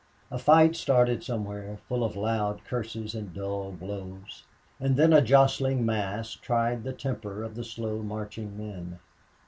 A fight started somewhere, full of loud curses and dull blows; and then a jostling mass tried the temper of the slow marching men.